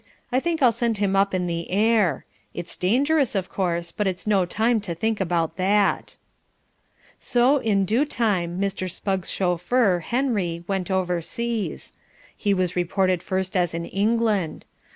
"I think I'll send him up in the air. It's dangerous, of course, but it's no time to think about that." So, in due time, Mr. Spugg's chauffeur, Henry, went overseas. He was reported first as in England.